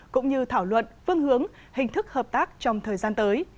cũng như thảo luận phương hướng hình thức hợp tác trong thời gian tới